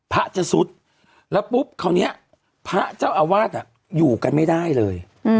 พระจะสุดแล้วปุ๊บคราวนี้พระเจ้าอาวาสอยู่กันไม่ได้เลย